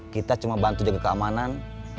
kita cuma bantu jaga keamanan